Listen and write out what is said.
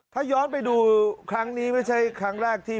ถ้าย้อนไปดูครั้งนี้ไม่ใช่ครั้งแรกที่